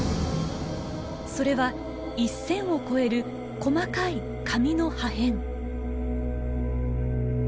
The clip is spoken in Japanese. それは１，０００を超える細かい紙の破片。